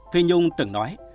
phi nhung từng nói